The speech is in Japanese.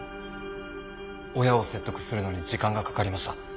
親を説得するのに時間がかかりました。